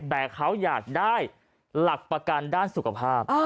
แต่เขาอยากได้หลักประกันด้านสุขภาพ